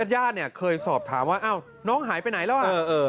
ญาติเนี่ยเคยสอบถามว่าอ้าวน้องหายไปไหนแล้วอ่ะ